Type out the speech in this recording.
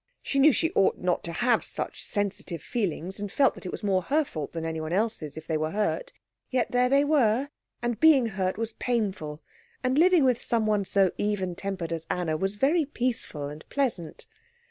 She knew she ought not to have such sensitive feelings, and felt that it was more her fault than anyone else's if they were hurt; yet there they were, and being hurt was painful, and living with someone so even tempered as Anna was very peaceful and pleasant.